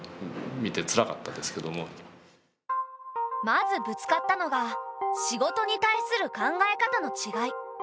まずぶつかったのが仕事に対する考え方のちがい。